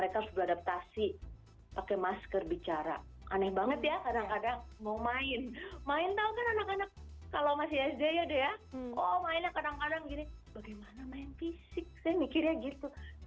keadaan pada masa pandemi tidak berubah dengan ditetapkan skb